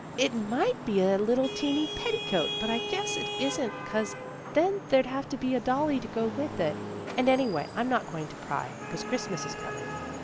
" It might be a little teenty petticoat, but I guess it isn't 'cause then there'd have to be a dolly to go with it. And, anyway, I'm not going to pry, 'cause Christmas is coming."